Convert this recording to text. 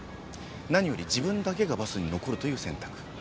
何より自分だけがバスに残るという選択。